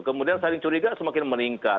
kemudian saling curiga semakin meningkat